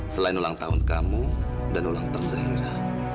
selain ulang tahun kamu dan ulang tahun zaira